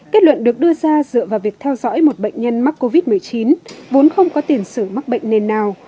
kết luận được đưa ra dựa vào việc theo dõi một bệnh nhân mắc covid một mươi chín vốn không có tiền sử mắc bệnh nền nào